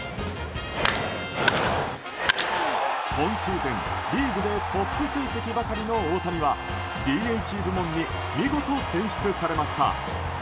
今シーズン、リーグでトップ成績ばかりの大谷はＤＨ部門に見事、選出されました。